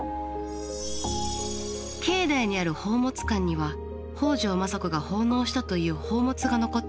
境内にある宝物館には北条政子が奉納したという宝物が残っています。